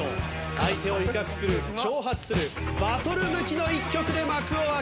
相手を威嚇する挑発するバトル向きの１曲で幕を開けます。